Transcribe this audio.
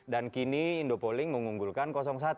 dan kini indopolink mengunggulkan satu